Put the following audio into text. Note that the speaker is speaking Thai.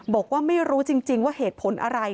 บอกว่าไม่รู้จริงว่าเหตุผลอะไร